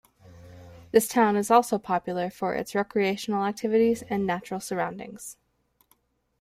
This town is also popular for its recreational activities and natural surroundings.